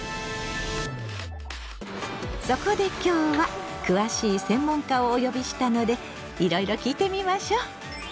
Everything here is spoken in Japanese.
そこで今日は詳しい専門家をお呼びしたのでいろいろ聞いてみましょう！